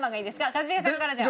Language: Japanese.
一茂さんからじゃあ。